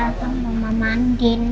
sampai mama mandi